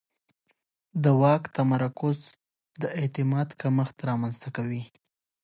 د واک تمرکز د اعتماد کمښت رامنځته کوي